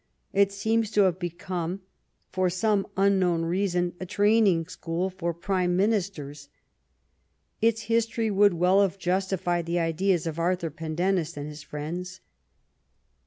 It seems to have become, for some unknown reason, a training school for Prime Ministers. Its history would well have justified the ideas of Arthur Pendennis and his friends.